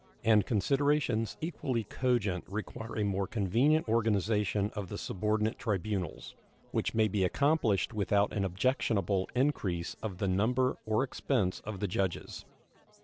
And considerations equally cogent require a more convenient organization of the subordinate tribunals, which may be accomplished without an objectionable increase of the number or expense of the judges.